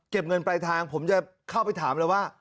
เงินปลายทางผมจะเข้าไปถามเลยว่า